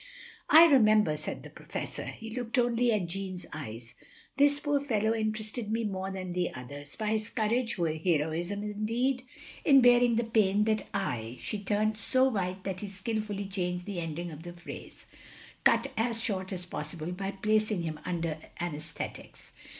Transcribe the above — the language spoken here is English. "I remember," said the Professor, — ^he looked only at Jeanne's eyes — "this poor fellow interested me more than the others, by his courage, hero ism indeed, in bearing the pain that I —" she turned so white that he skilfully changed the ending of the phrase —cut as short as possible by placing him imder anaesthetics.